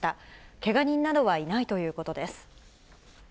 けが人などはいないということです。